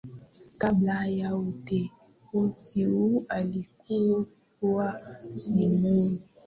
Kabla ya uteuzi huu alikuwa Simiyu